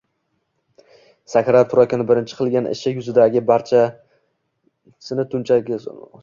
Sakrab turarkan birinchi qilgan ishi yuzidagi bo'z tarchasini cho'ntagiga solmoq bo'ldi.